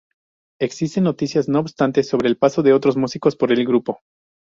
Existen noticias, no obstante, sobre el paso de otros músicos por el grupo.